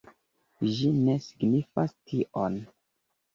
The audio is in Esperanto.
Ĝi ne signifas tion.